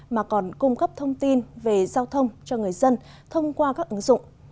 mà còn cung cấp thông tin về giao thông cho người dân thông qua các ứng dụng